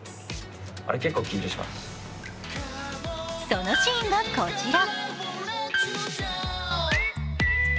そのシーンがこちら。